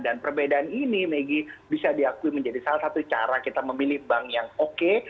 dan perbedaan ini meggy bisa diakui menjadi salah satu cara kita memilih bank yang oke